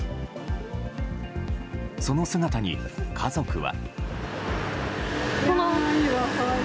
その姿に、家族は。